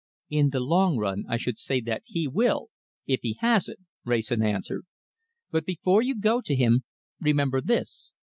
"In the long run I should say that he will if he has it," Wrayson answered. "But before you go to him, remember this.